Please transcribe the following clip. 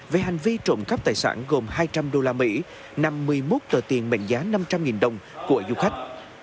về hành vi trộm cắp tài sản gồm hai trăm linh đô la mỹ năm mươi một tờ tiền mệnh giá năm trăm linh đồng của du khách